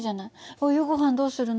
お夕ごはんどうするの？